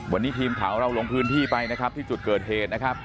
วันนี้ทีมข่าวของเราลงพื้นที่ไปนะครับที่จุดเกิดเหตุนะครับ